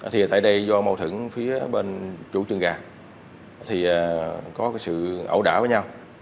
thì tại đây do mâu thửng phía bên chủ trường gà thì có sự ẩu đảo với nhau